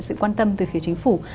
sự quan tâm từ phía chính phủ